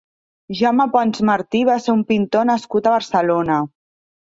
Jaume Pons Martí va ser un pintor nascut a Barcelona.